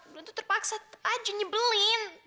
belum tuh terpaksa aja nyebelin